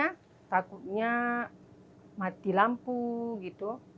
karena takutnya mati lampu gitu